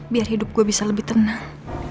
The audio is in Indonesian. biar hidup gue bisa lebih tenang